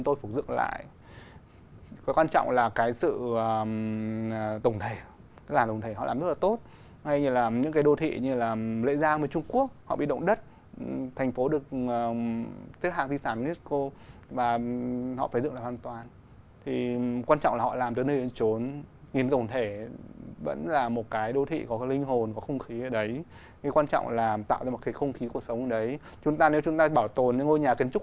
tôi cho rằng là thật ra là chúng ta đã mất rồi